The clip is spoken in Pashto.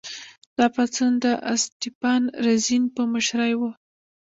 دا پاڅون د اسټپان رزین په مشرۍ و.